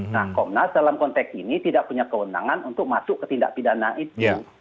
nah komnas dalam konteks ini tidak punya kewenangan untuk masuk ke tindak pidana itu